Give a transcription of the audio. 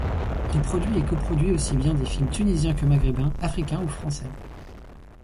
Il produit et coproduit aussi bien des films tunisiens que maghrébins, africains ou français.